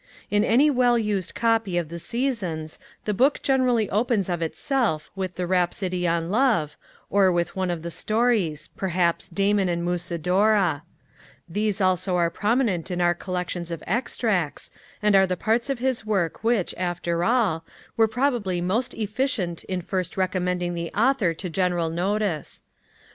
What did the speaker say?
In any well used copy of the Seasons the book generally opens of itself with the rhapsody on love, or with one of the stories (perhaps 'Damon and Musidora'); these also are prominent in our collections of Extracts, and are the parts of his Work which, after all, were probably most efficient in first recommending the author to general notice.